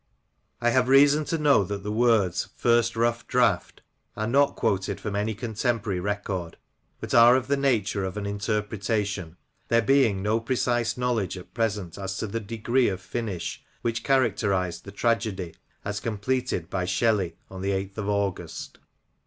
I have reason to know that the words first rough draft " are not quoted from any contemporary record, but are oj the nature of an interpretation, there being no precise knowledge at present as to the degree of finish which characterized the tragedy as completed by Shelley on the 8th of August.